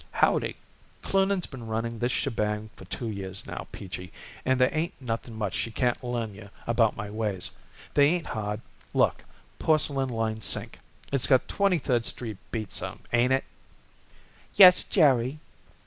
"Howdy!" "Cloonan's been running this shebang for two years now, Peachy, and there ain't nothing much she can't learn you about my ways. They ain't hard. Look! Porcelain lined sink. It's got Twenty third Street beat some, 'ain't it?" "Yes, Jerry."